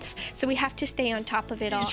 jadi kita harus tetap di atas